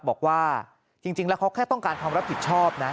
บอกว่าจริงแล้วเขาแค่ต้องการความรับผิดชอบนะ